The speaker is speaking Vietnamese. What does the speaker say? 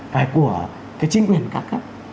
phải của cái chính quyền các cấp